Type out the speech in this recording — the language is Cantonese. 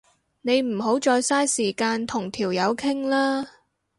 你唔好再嘥時間同條友傾啦